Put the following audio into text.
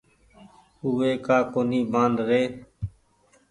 اُو وي ڪآ ڪونيٚ مآن ري۔